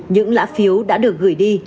những lã phiếu đã được gửi đi